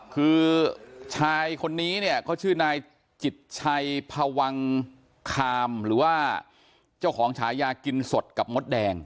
คือชายคนนี้เนี่ยเขาชื่อนายจิตชัยพวังคามหรือว่าเจ้าของฉายากินสดกับมดแดง